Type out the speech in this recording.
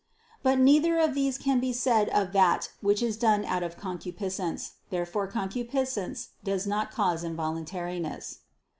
But neither of these can be said of that which is done out of concupiscence. Therefore concupiscence does not cause involuntariness.